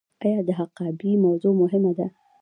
آیا د حقابې موضوع مهمه ده؟